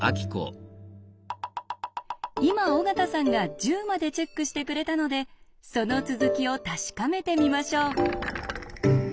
今尾形さんが１０までチェックしてくれたのでその続きを確かめてみましょう。